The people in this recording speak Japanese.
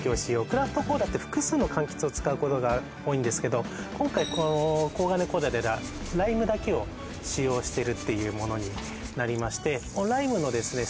クラフトコーラって複数の柑橘を使うことが多いんですけど今回この紺金コーラではライムだけを使用してるっていうものになりましてライムのですね